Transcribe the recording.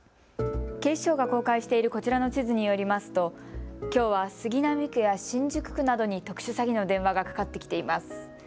警視庁が公開しているこちらの地図によりますときょうは杉並区や新宿区などに特殊詐欺の電話がかかってきています。